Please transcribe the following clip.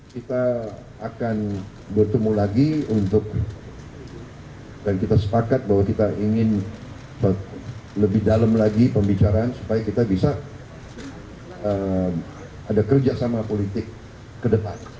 kita akan bertemu lagi untuk dan kita sepakat bahwa kita ingin lebih dalam lagi pembicaraan supaya kita bisa ada kerjasama politik ke depan